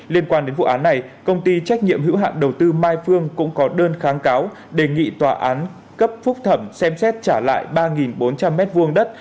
liên quan đến vụ án này công ty trách nhiệm hữu hạn đầu tư mai phương cũng có đơn kháng cáo đề nghị tòa án cấp phúc thẩm xem xét trả lại ba bốn trăm linh m hai đất